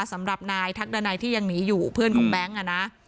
สำหรับนายทักดันัยที่ยังหนีอยู่เพื่อนของแบงค์อ่ะนะ